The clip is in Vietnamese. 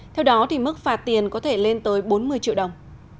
theo đó thì mức phạt tiền có thể lên tới bốn mươi triệu đồng